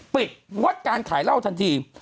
ปิดงดการขายเล่าทันที